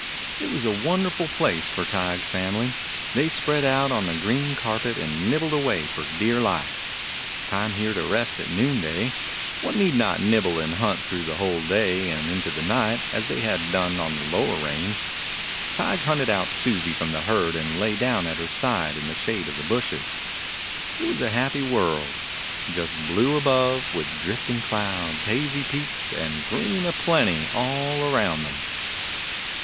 It was a wonderful place for Tige's family. They spread out on the green carpet and nib bled away for dear life. Time here to rest at noonday; one need not nibble and hunt through the whole day and into the night, as they had done on the lower range. Tige hunted out Susie from the herd and lay down at her side in the shade of the bushes. It was a happy world — just blue above, with drifting clouds, hazy peaks, and green a plenty all around them.